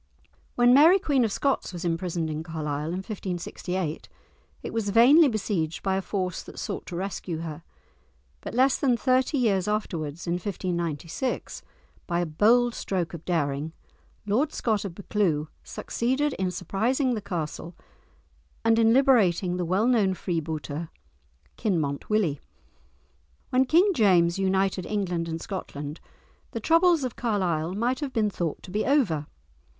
When Mary Queen of Scots was imprisoned in Carlisle in 1568 it was vainly besieged by a force that sought to rescue her; but less than thirty years afterwards, in 1596, by a bold stroke of daring, Lord Scott of Buccleuch succeeded in surprising the castle and in liberating the well known freebooter, "Kinmont Willie." When King James united England and Scotland, the troubles of Carlisle might have been thought to be over.